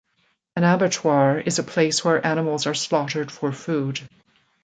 An abattoir is a place where animals are slaughtered for food.